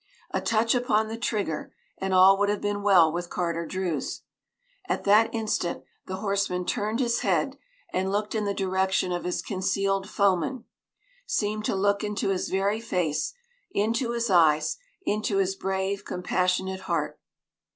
A touch upon the trigger and all would have been well with Carter Druse. At that instant the horseman turned his head and looked in the direction of his concealed foeman seemed to look into his very face, into his eyes, into his brave, compassionate heart.